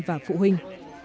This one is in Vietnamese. và phụ huynh